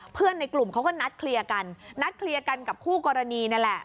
ในกลุ่มเขาก็นัดเคลียร์กันนัดเคลียร์กันกับคู่กรณีนั่นแหละ